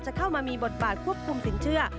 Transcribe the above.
เข้ามามีบทบาทควบคุมสินเชื่อ